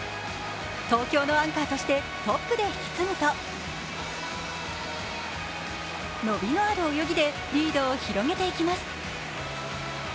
東京のアンカーとしてトップで引き継ぐと伸びのある泳ぎでリードを広げていきます。